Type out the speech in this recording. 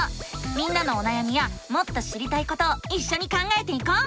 みんなのおなやみやもっと知りたいことをいっしょに考えていこう！